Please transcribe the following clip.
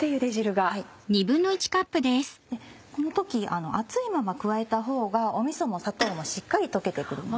この時熱いまま加えたほうがみそも砂糖もしっかり溶けて。